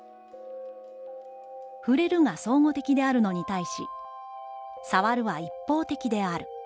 「『ふれる』が相互的であるのに対し、『さわる』は一方的である。